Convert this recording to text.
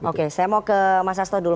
oke saya mau ke mas sasto dulu